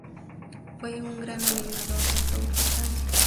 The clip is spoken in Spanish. Fue un gran animador del Tour de Francia.